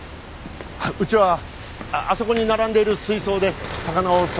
うちはあそこに並んでいる水槽で魚を育てています。